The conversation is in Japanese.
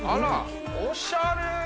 おしゃれ。